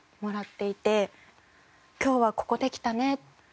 今日はここできたね。